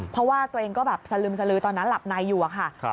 เพราะว่าตัวเองก็แบบสลึมสลือตอนนั้นหลับในอยู่อะค่ะ